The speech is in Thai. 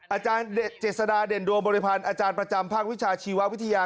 อาจารย์เจษฎาเด่นดวงบริพันธ์อาจารย์ประจำภาควิชาชีววิทยา